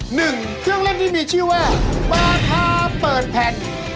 หนึ่งเครื่องเล่นที่มีชื่อว่าบาธาเปิดแผ่น